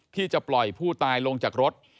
ที่จะปล่อยผู้ตายลงจากรถ